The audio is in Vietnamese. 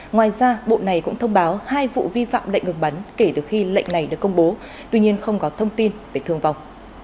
ngoài ra bộ này cũng thông báo hai vụ vi phạm lệnh ngừng bắn kể từ khi lệnh này được công bố tuy nhiên không có thông tin về thương vọng